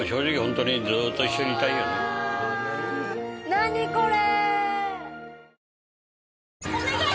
何これ！